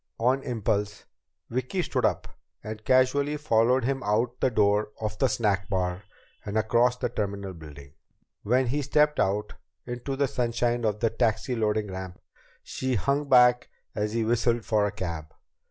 On impulse, Vicki stood up and casually followed him out the door of the snack bar and across the terminal building. When he stepped out into the sunshine of the taxi loading ramp, she hung back as he whistled for a cab.